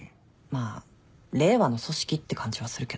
まあ令和の組織って感じはするけど。